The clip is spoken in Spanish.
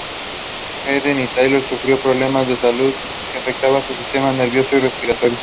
Harriet Taylor sufrió de problemas de salud que afectaban sus sistemas nervioso y respiratorio.